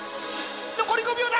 残り５秒だ！